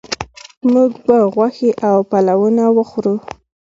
موږ به غوښې او پلونه وخورو